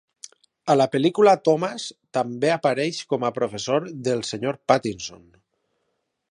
A la pel·lícula Thomas també apareix com a professor del Sr. Pattison.